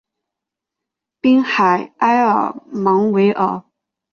滨海埃尔芒维尔。